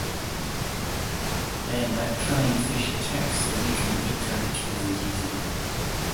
Then, that cunning fish attacks the weakened victor and kills it easily.